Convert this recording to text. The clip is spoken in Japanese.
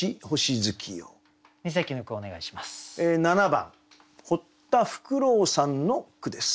７番堀田福朗さんの句です。